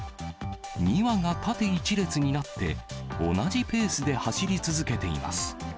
２羽が縦１列になって同じペースで走り続けています。